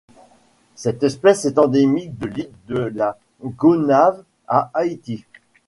Cette espèce est endémique de l'île de la Gonâve à Haïti.